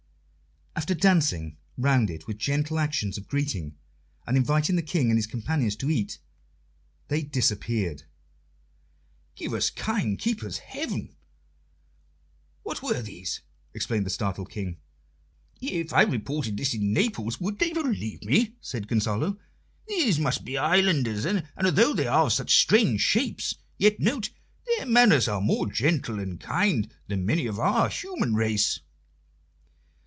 After dancing round it with gentle actions of greeting, and inviting the King and his companions to eat, they disappeared. "Give us kind keepers, heaven! What were these?" exclaimed the startled King. "If I reported this in Naples, would they believe me?" said Gonzalo. "These must be islanders, and although they are of such strange shapes, yet note, their manners are more gentle and kind than many of our human race."